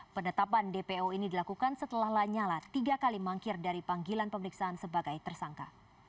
penetapan dpo ini dilakukan setelah lanyala tiga kali mangkir dari panggilan pemeriksaan sebagai tersangka